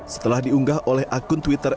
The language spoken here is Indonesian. setelah diunggah oleh akun twitter